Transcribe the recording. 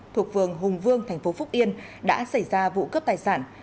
thuộc phường hùng vương thành phố phúc yên đã xảy ra vụ cướp tài sản